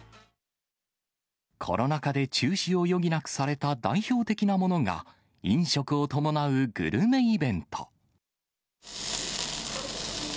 コロナ禍で中止を余儀なくされた代表的なものが、飲食を伴うグルメイベント。